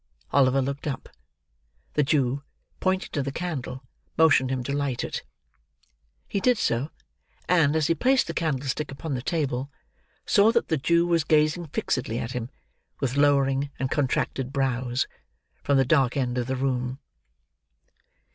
Oliver looked up; the Jew, pointing to the candle, motioned him to light it. He did so; and, as he placed the candlestick upon the table, saw that the Jew was gazing fixedly at him, with lowering and contracted brows, from the dark end of the room.